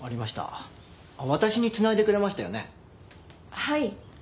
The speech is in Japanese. はい。